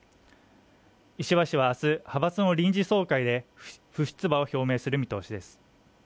石破氏は明日派閥の臨時総会で不出馬を表明する見通しです